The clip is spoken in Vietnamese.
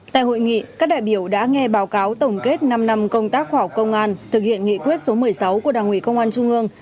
tại hội nghị các đại biểu đã nghe báo cáo tổng kết năm năm công tác khoa học công an thực hiện nghị quyết số một mươi sáu của đảng ủy công an trung ương